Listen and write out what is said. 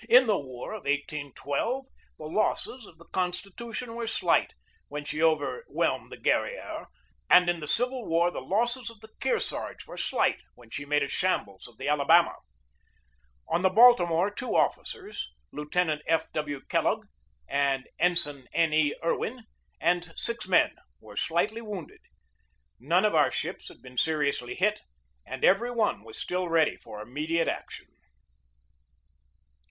In the War of 1812 the losses of the Con stitution were slight when she overwhelmed the Guerriere and in the Civil War the losses of the Kear sarge were slight when she made a shambles of the Alabama. On the Baltimore two officers (Lieuten ant F. W. Kellogg and Ensign N. E. Irwin) and six men were slightly wounded. None of our ships had been seriously hit, and every one was still ready for immediate action.